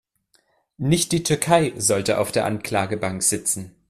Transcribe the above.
Nicht die Türkei sollte auf der Anklagebank sitzen.